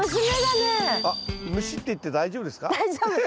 あっ虫って言って大丈夫ですか？